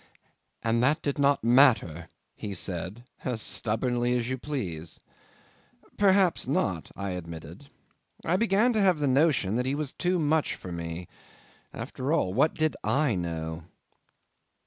'"And that did not matter," he said, as stubbornly as you please. '"Perhaps not," I admitted. I began to have a notion he was too much for me. After all, what did I know?